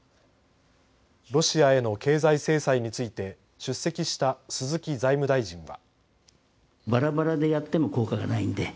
ロシアへの経済制裁について出席した鈴木財務大臣は。